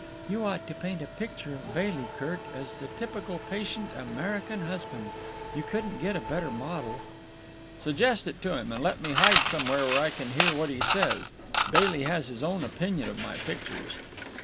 You ought to paint a picture of Bailey, Kirk, as the typical patient American husband. You couldn't get a better model." "Suggest it to him, and let me hide somewhere where I can hear what he says. Bailey has his own opinion of my pictures."